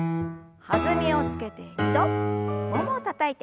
弾みをつけて２度ももをたたいて。